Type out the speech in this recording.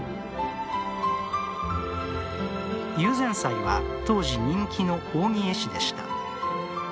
友禅斎は当時人気の扇絵師でした。